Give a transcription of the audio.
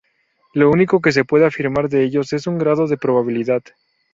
Lo único que se puede afirmar de ellos es un grado de probabilidad.